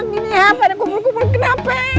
gini ya padan kumpul kumpul kenapa ya